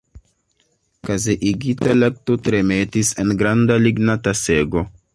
Kazeigita lakto tremetis en granda ligna tasego.